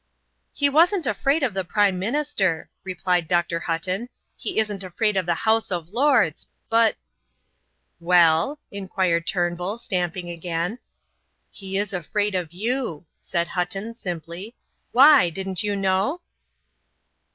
"He wasn't afraid of the Prime Minister," replied Dr. Hutton; "he isn't afraid of the House of Lords. But " "Well?" inquired Turnbull, stamping again. "He is afraid of you," said Hutton, simply. "Why, didn't you know?"